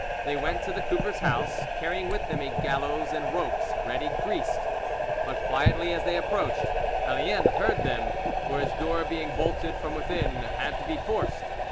they went to the cooper's house, carrying with them a gallows and ropes ready greased. But quietly as they approached, Allien heard them, for his door being bolted from within had to be forced.